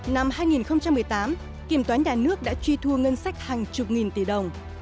năm hai nghìn một mươi tám kiểm toán nhà nước đã truy thu ngân sách hàng chục nghìn tỷ đồng